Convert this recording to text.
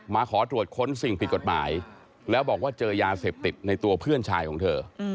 ขอตรวจค้นสิ่งผิดกฎหมายแล้วบอกว่าเจอยาเสพติดในตัวเพื่อนชายของเธอ